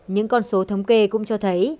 những con số thống kê cũng cho thấy